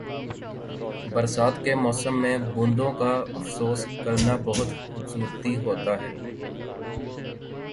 برسات کے موسم میں بوندوں کا افسوس کرنا بہت خوبصورتی ہوتا ہے۔